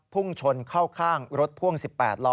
พุ่งชนเข้าข้างรถพ่วง๑๘ล้อ